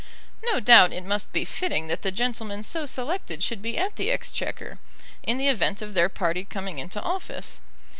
No doubt it must be fitting that the gentleman so selected should be at the Exchequer, in the event of their party coming into office.